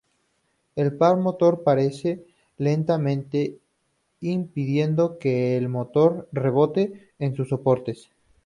El par motor aparece más lentamente, impidiendo que el motor rebote en sus soportes.